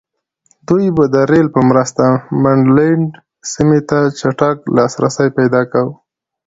دوی به د رېل په مرسته منډلینډ سیمې ته چټک لاسرسی پیدا کاوه.